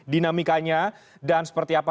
dinamikanya dan seperti apa